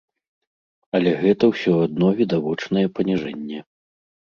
Але гэта ўсё адно відавочнае паніжэнне.